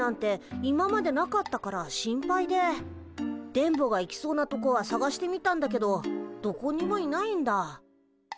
今までなかったから心配で電ボが行きそうなとこは探してみたんだけどどこにもいないんだ。